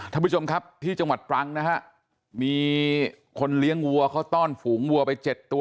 ท่านผู้ชมครับที่จังหวัดตรังนะฮะมีคนเลี้ยงวัวเขาต้อนฝูงวัวไปเจ็ดตัว